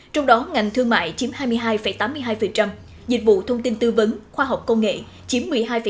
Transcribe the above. trong đó ngành thương mại chiếm hai mươi hai tám mươi hai dịch vụ thông tin tư vấn khoa học công nghệ chiếm một mươi hai năm